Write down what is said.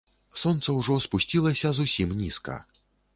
Сонца ўжо спусцілася зусім нізка.